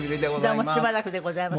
どうもしばらくでございます。